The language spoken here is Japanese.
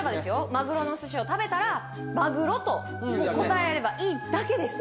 マグロのお寿司を食べたらマグロと答えればいいだけです